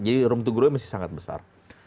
jadi room to grow nya masih sangat besar